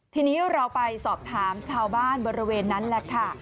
ทีนี้เราไปสอบถามชาวบ้านบริเวณนั้นแหละค่ะ